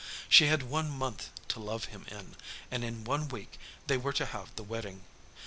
She had one month to love him in, and in one week they were to have the wedding.